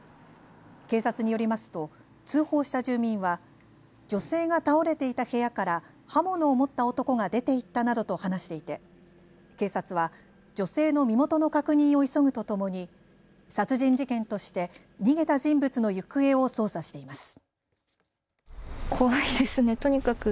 警察によりますと通報した住民は女性が倒れていた部屋から刃物を持った男が出て行ったなどと話していて警察は女性の身元の確認を急ぐとともに殺人事件として逃げた人物の行方を捜査しています。